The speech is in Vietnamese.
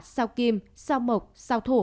sao kim sao mộc sao thổ